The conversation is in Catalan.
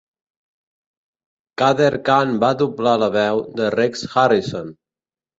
Kader Khan va doblar la veu de Rex Harrison.